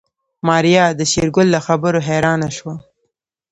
ماريا د شېرګل له خبرو حيرانه شوه.